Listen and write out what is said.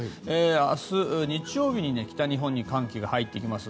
明日、日曜日に北日本に寒気が入ってきます。